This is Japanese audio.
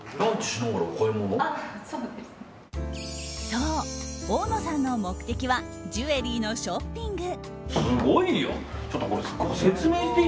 そう、大野さんの目的はジュエリーのショッピング。